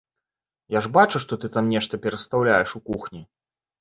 Я ж бачу, што ты там нешта перастаўляеш у кухні.